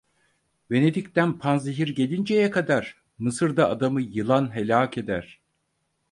Venedik'ten panzehir gelinceye kadar, Mısır'da adamı yılan helâk eder.